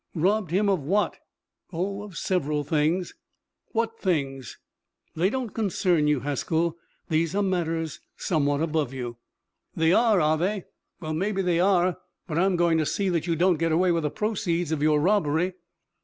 "Robbed him of what?" "Oh, of several things." "What things?" "They don't concern you, Haskell. These are matters somewhat above you." "They are, are they? Well, maybe they are, but I'm going to see that you don't get away with the proceeds of your robbery."